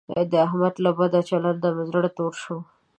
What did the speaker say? د احمد له بد چلنده مې زړه تور شو.